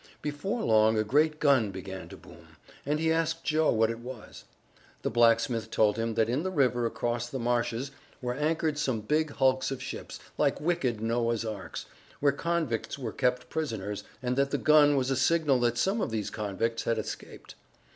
Before long a great gun began to boom, and he asked Joe what it was. The blacksmith told him that in the river across the marshes were anchored some big hulks of ships, like wicked Noah's arks, where convicts were kept prisoners, and that the gun was a signal that some of these convicts had escaped.